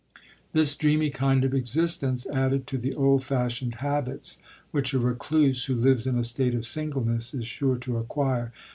This dreamy kind of existence, added to the old fashioned habits which a recluse who lives in a state of singleness is sure to acquire